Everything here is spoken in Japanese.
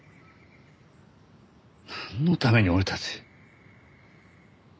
なんのために俺たち。